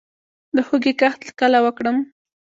د هوږې کښت کله وکړم؟